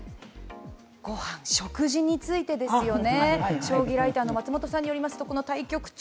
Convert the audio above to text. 食事についてですよね。